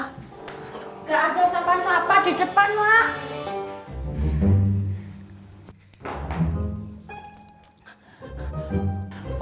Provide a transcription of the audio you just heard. gak ada sapa sapa di depan omah